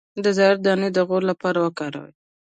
د زغر دانه د غوړ لپاره وکاروئ